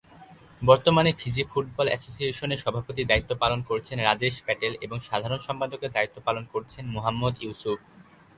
বর্তমানে Fiji football অ্যাসোসিয়েশনের সভাপতির দায়িত্ব পালন করছেন রাজেশ প্যাটেল এবং সাধারণ সম্পাদকের দায়িত্ব পালন করছেন মুহাম্মদ ইউসুফ।